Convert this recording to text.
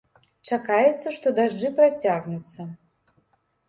Чакаецца, што дажджы працягнуцца.